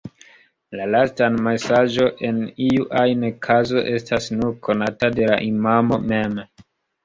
La lasta mesaĝo en iu ajn kazo estas nur konata de la imamo mem.